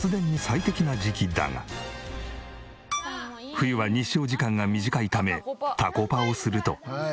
冬は日照時間が短いためタコパをすると。